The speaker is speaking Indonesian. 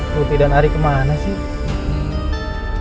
putih dan ari kemana sih